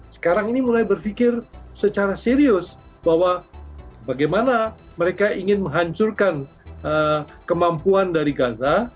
sekarang ini mulai berpikir secara serius bahwa bagaimana mereka ingin menghancurkan kemampuan dari gaza